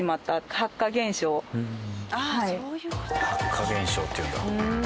白化現象っていうんだ。